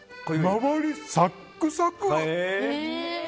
周り、サックサク！